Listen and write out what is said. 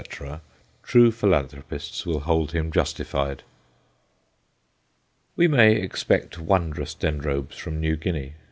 true philanthropists will hold him justified. We may expect wondrous Dendrobes from New Guinea.